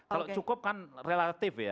kalau cukup kan relatif ya